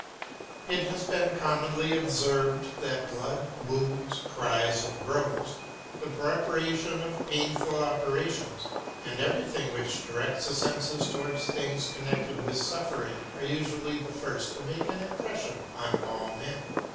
It has been commonly observed that blood, wounds, cries and groans, the preparations for painful operations, and everything which directs the senses towards things connected with suffering, are usually the first to make an impression on all men.